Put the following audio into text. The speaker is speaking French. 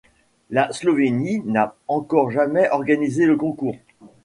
La Slovénie n'a encore jamais organisé le concours.